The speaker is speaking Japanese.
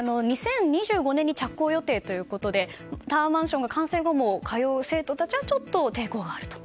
２０２５年に着工予定ということでタワーマンションが完成後も通う生徒たちはちょっと抵抗があると。